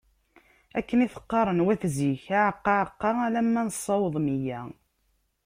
Akken i t-qqaren wat zik:Aɛeqqa, aɛeqqa alamma nessaweḍ meyya.